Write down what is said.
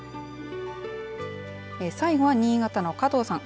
最後は新潟の加藤さん